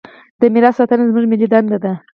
د میراث ساتنه زموږ ملي دنده ده.